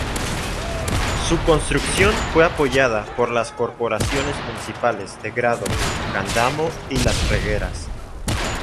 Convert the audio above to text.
Su construcción fue apoyada por las corporaciones municipales de Grado, Candamo y Las Regueras.